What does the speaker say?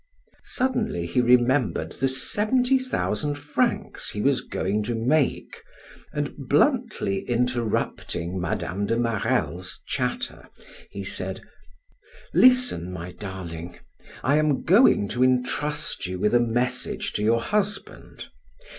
Suddenly he remembered the seventy thousand francs he was going to make, and bluntly interrupting Mme. de Marelle's chatter, he said: "Listen, my darling; I am going to intrust you with a message to your husband.